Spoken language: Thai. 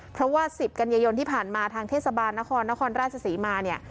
เพราะว่า๑๐กันยายนที่ผ่านมาทางเทศบาลนครนครราชศรีมาเนี่ย